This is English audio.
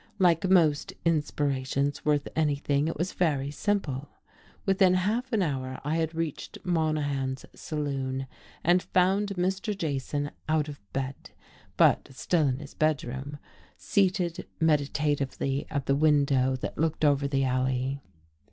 Like most inspirations worth anything, it was very simple. Within half an hour I had reached Monahan's saloon and found Mr. Jason out of bed, but still in his bedroom, seated meditatively at the window that looked over the alley.